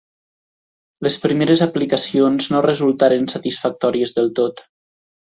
Les primeres aplicacions no resultaren satisfactòries del tot.